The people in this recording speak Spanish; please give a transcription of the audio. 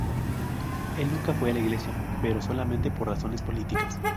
Él nunca fue a la iglesia, pero solamente por razones políticas.